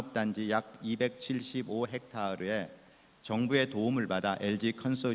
dan juga presiden pahala